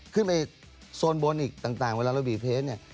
ขึ้นไปโซนบนอีกต่างเวลาเราบีเพจเนี่ย